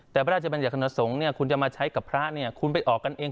แต่พระราชบัญญัคณะสงฆ์เนี่ยคุณจะมาใช้กับพระเนี่ยคุณไปออกกันเอง